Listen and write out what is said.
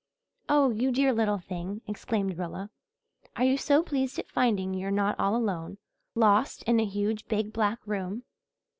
"Oh, you dear little thing!" exclaimed Rilla. "Are you so pleased at finding you're not all alone, lost in a huge, big, black room?"